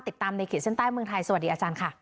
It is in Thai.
ติดตามในขีดเส้นใต้เมืองไทยสวัสดีอาจารย์ค่ะ